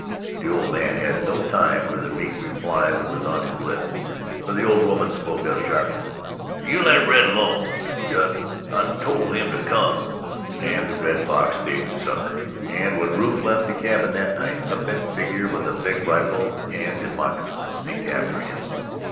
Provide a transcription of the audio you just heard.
The old man had no time for the meek reply that was on his lips, for the old woman spoke up sharply: "You let Red alone, Judd I tol' him to come." And the Red Fox stayed to supper, and when Rufe left the cabin that night, a bent figure with a big rifle and in moccasins sneaked after him.